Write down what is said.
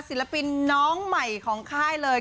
ศิลปินน้องใหม่ของค่ายเลย